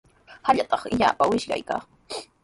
Hallqatraw illapata wiyash kaa.